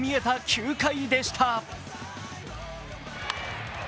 ９回でした。